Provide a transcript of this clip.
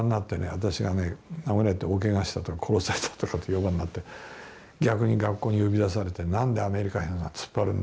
私が殴られて大けがしたとか殺されたとか評判になって逆に学校に呼び出されて「何でアメリカ兵に突っ張るんだ。